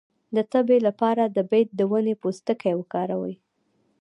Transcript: د تبې لپاره د بید د ونې پوستکی وکاروئ